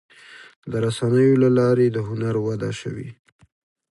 د رسنیو له لارې د هنر وده شوې.